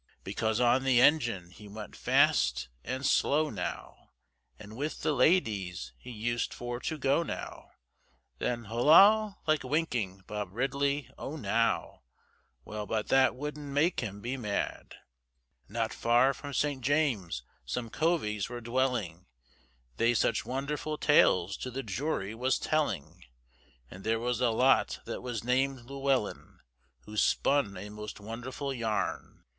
Because on the engine he went fast and slow, now, And with the ladies he used for to go now, Then holloa like winking, Bob Ridley, O! now, Well, but that wouldn't make him be mad. Not far from St. James's some coveys were dwelling, They such wonderful tales to the jury was telling, And there was a lot that was named Llewellin, Who spun a most wonderful yarn.